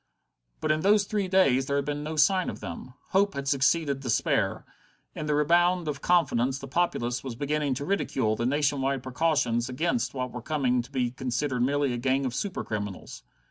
But in those three days there had been no sign of them. Hope had succeeded despair; in the rebound of confidence the populace was beginning to ridicule the nation wide precautions against what were coming to be considered merely a gang of super criminals.